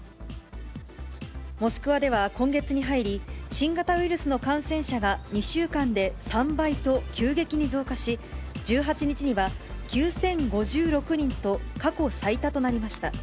モスクワでは今月に入り、新型ウイルスの感染者が２週間で３倍と急激に増加し、１８日には９０５６人と、過去最多となりました。